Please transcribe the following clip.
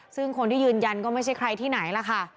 ซึ่งคนที่ยืนยันก็ไม่ใช่ใครที่ไหนล่ะค่ะ